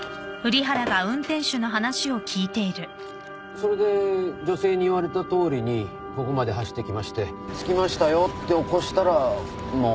それで女性に言われたとおりにここまで走ってきまして着きましたよって起こしたらもう。